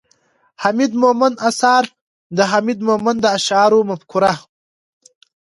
،حميد مومند اثار، د حميد مومند د اشعارو مفکوره